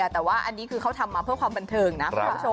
แต่ว่าอันนี้เค้าทำมาเพื่อความบันเทิงนะ